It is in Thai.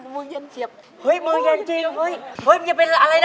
มือเย็นเฉียบ